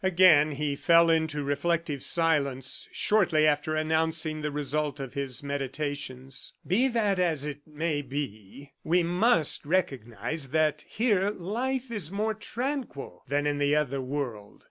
Again he fell into reflective silence, shortly after announcing the result of his meditations. "Be that as it may be, we must recognize that here life is more tranquil than in the other world.